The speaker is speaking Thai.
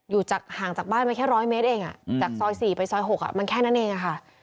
อยู่จักห่างจากบ้านมาแค่ร้อยเมตรเองอ่ะจากซอยสี่ไปซอยหกอ่ะมันแค่นั้นเองอ่ะค่ะ